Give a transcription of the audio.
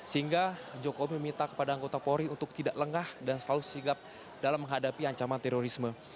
sehingga jokowi meminta kepada anggota polri untuk tidak lengah dan selalu sigap dalam menghadapi ancaman terorisme